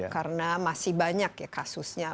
karena masih banyak ya kasusnya